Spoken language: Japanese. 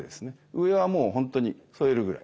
上はもうほんとに添えるぐらい。